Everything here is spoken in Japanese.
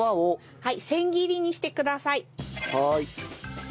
はい。